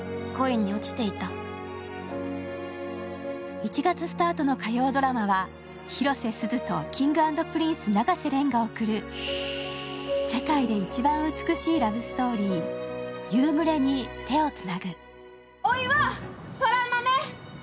１月スタートの火曜ドラマは広瀬すずとＫｉｎｇ＆Ｐｒｉｎｃｅ永瀬廉が送る世界で一番美しいラブストーリー「夕暮れに、手をつなぐ」。